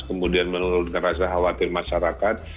kemudian menurut ngerasa khawatir masyarakat